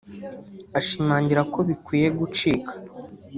ashimangira ko bikwiye gucika